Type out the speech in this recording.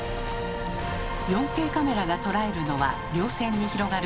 ４Ｋカメラが捉えるのは稜線に広がる広大な大地。